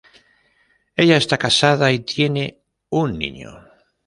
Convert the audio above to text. Ella está casada y tiene un niño.